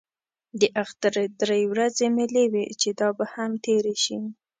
د اختر درې ورځې مېلې وې چې دا به هم تېرې شي.